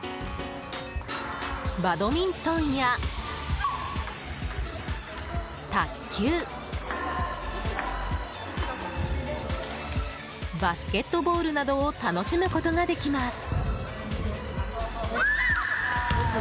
バドミントンや卓球、バスケットボールなどを楽しむことができます。